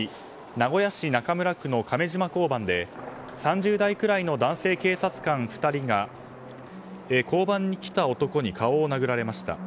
名古屋市中村区の亀島交番で３０代くらいの男性警察官２人が交番に来た男に顔を殴られました。